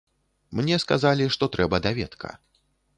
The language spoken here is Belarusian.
Мне сказалі, што трэба даведка.